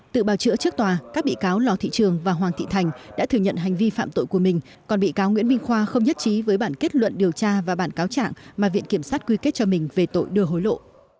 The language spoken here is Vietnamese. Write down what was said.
tự bào chữa trước tòa các bị cáo lò thị trường và hoàng thị thành đã thừa nhận hành vi phạm tội của mình còn bị cáo nguyễn minh khoa không nhất trí với bản kết luận điều tra và bản cáo trạng mà viện kiểm sát quy kết cho mình về tội đưa hối lộ